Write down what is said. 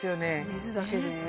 水だけで？